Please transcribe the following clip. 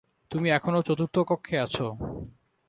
তুমি এখনো চতুর্থ কক্ষে আছো।